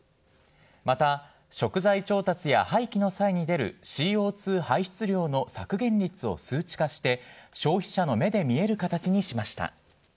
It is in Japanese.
また、食材調達や廃棄の際に出るＣＯ２排出量の削減率を数値化して、消費者の目で見える形にしました。